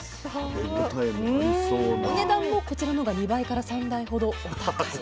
お値段もこちらのほうが２３倍ほどお高い。